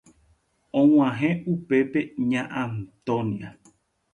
Og̃uahẽ upépe Ña Antonia.